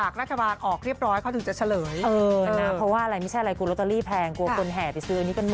คุณผู้ชมดีมั้ยละกันเนี่ย